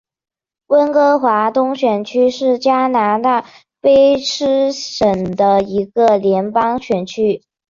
温哥华东选区是加拿大卑诗省的一个联邦选区。